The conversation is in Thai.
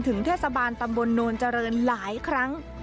เทศบาลตำบลโนนเจริญหลายครั้ง